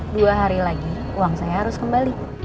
dua hari lagi uang saya harus kembali